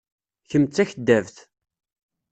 Kemm d takeddabt.